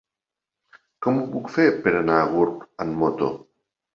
Com ho puc fer per anar a Gurb amb moto?